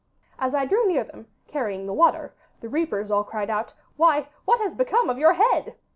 As I drew near them, carrying the water, the reapers all cried out, "Why, what has become of your head?"